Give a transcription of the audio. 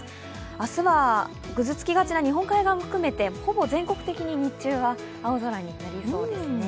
明日はぐずつきがちな日本海側も含めてほぼ全国的に日中は青空になりそうですね。